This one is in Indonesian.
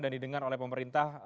dan didengar oleh pemerintah